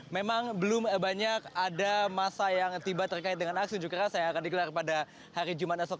memang belum banyak ada masa yang tiba terkait dengan aksi saya akan dikelar pada hari jumat esok